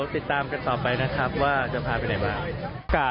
ติดตามกันต่อไปนะครับว่าจะพาไปไหนมา